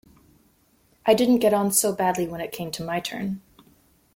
I didn’t get on so badly when it came to my turn.